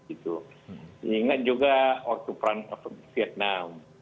ingat juga waktu perang vietnam